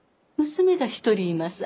娘が一人います。